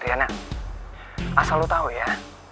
dianah asal lo tau ya